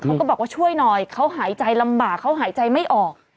เขาก็บอกว่าช่วยหน่อยเขาหายใจลำบากเขาหายใจไม่ออก